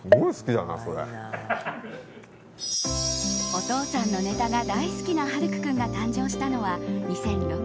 お父さんのネタが大好きな晴空君が誕生したのは２００６年。